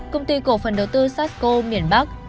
công ty cổ phần đầu tư sarsco phú quốc